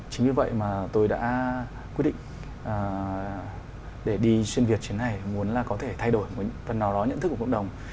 cho mọi người có thể hiểu rõ hơn